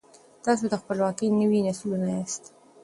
تاسو د خپلواکۍ نوي نسلونه یاست.